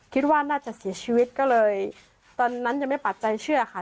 คิดว่าน่าจะเสียชีวิตก็เลยตอนนั้นยังไม่ปักใจเชื่อค่ะ